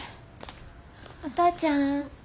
お父ちゃん？